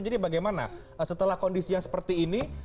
jadi bagaimana setelah kondisi yang seperti ini